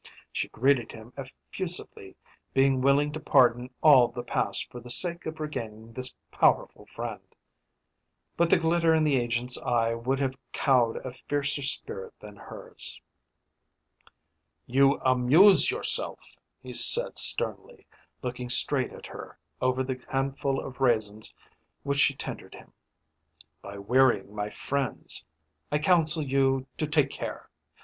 She greeted him effusively, being willing to pardon all the past for the sake of regaining this powerful friend. But the glitter in the agent's eye would have cowed a fiercer spirit than hers. "You amuse yourself," he said sternly, looking straight at her over the handful of raisins which she tendered him, "by wearying my friends. I counsel you to take care.